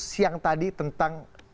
siang tadi tentang